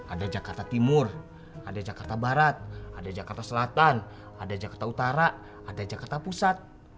ada jakarta timur ada jakarta barat ada jakarta selatan ada jakarta utara ada jakarta pusat